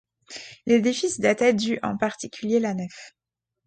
L'édifice datait du en particulier la nef.